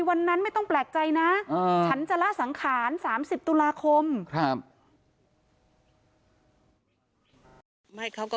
วันนั้นไม่ต้องแปลกใจนะ